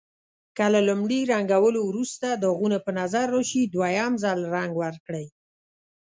که له لومړي رنګولو وروسته داغونه په نظر راشي دویم ځل رنګ ورکړئ.